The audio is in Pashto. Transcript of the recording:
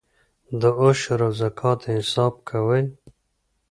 د عشر او زکات حساب کوئ؟